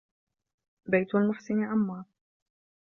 بيت المحسن عمار